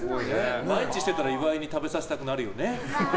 毎日してたら岩井に食べさせたくなるよね？